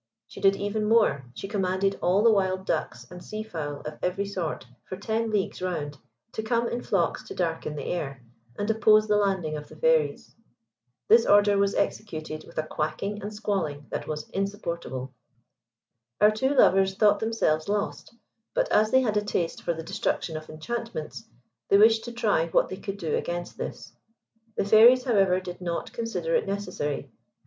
She did even more she commanded all the wild ducks and sea fowl of every sort for ten leagues round to come in flocks to darken the air, and oppose the landing of the Fairies. This order was executed with a quacking and squalling that was insupportable. Our two lovers thought themselves lost; but as they had a taste for the destruction of enchantments, they wished to try what they could do against this. The Fairies, however, did not consider it necessary.